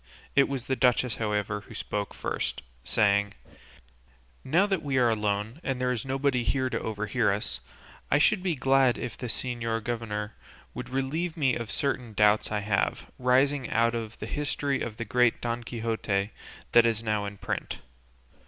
It was the duchess, however, who spoke first, saying: "Now that we are alone, and that there is nobody here to overhear us, I should be glad if the señor governor would relieve me of certain doubts I have, rising out of the history of the great Don Quixote that is now in print.